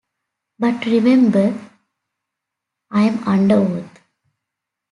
But remember I'm under oath.